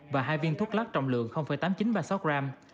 và hai viên thuốc lắc trọng lượng tám nghìn chín trăm ba mươi sáu gram